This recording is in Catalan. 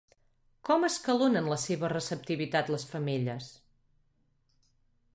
Com escalonen la seva receptivitat les femelles?